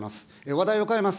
話題を変えます。